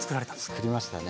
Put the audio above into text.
つくりましたね。